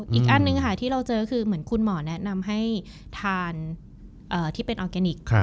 อีกอันนึงค่ะที่เราเจอคือเหมือนคุณหมอแนะนำให้ทานที่เป็นออร์แกนิค